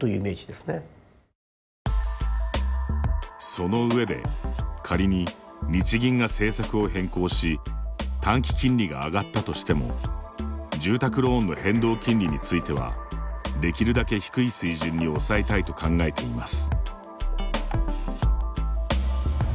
その上で仮に日銀が政策を変更し短期金利が上がったとしても住宅ローンの変動金利についてはできるだけ低い水準に抑えたいと考えています。